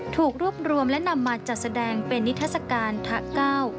ถูกรวบรวมและนำมาจัดแสดงเป็นนิทัศกาลทะเก้า